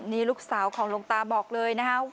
นี่ลูกสาวของหลวงตาบอกเลยนะครับ